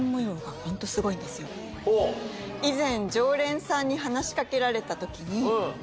以前。